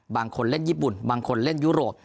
บางคนเล่นญี่ปุ่นบางคนเล่นยุโรป